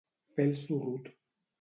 Fer el sorrut.